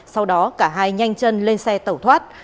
sau đó cả hai nhanh chân lên xe tẩu thoát